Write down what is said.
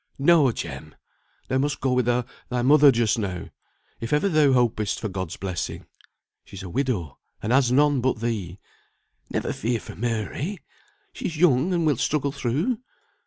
No, Jem! thou must go with thy mother just now, if ever thou hopest for God's blessing. She's a widow, and has none but thee. Never fear for Mary! She's young and will struggle through.